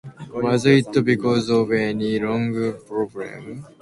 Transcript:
Was it because of any lung problem?